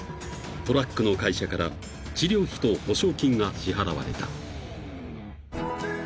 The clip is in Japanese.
［トラックの会社から治療費と補償金が支払われた］